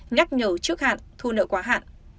nhắc nhở trước hạn thu nợ quá hạn